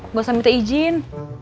gak usah minta izin